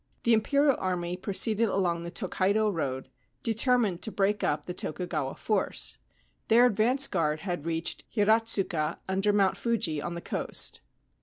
The Imperial army proceeded along the Tokaido road, determined to break up the Tokugawa force. Their advance guard had reached Hiratsuka, under Mount Fuji, on the coast.